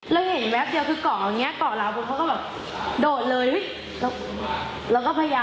เราเห็นแวล์ตเดียวคือก่อแบบนี้จากล่าวพวกเขาก็แบบ